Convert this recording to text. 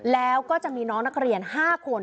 แล้วก็จะมีน้องนักเรียน๕คน